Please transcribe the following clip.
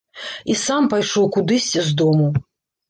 І сам пайшоў кудысь з дому.